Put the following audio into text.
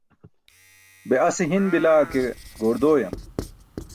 Be ase hin bilaa ke, goor dooyam!